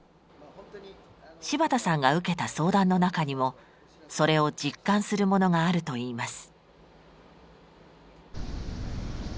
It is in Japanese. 柴田さんが受けた相談の中にもそれを実感するものがあるといいます。